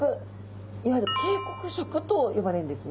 いわゆる警告色と呼ばれるんですね。